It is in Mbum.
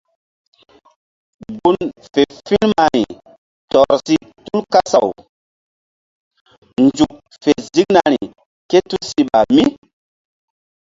Gun fe firmari tɔr si tu kasaw nzuk fe ziŋnari ké tusiɓa mí.